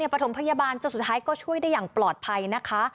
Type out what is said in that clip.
ประถมพยาบาลจนสุดท้ายก็ช่วยได้อย่างปลอดภัยนะคะ